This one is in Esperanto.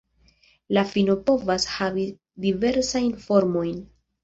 La fino povas havi diversajn formojn.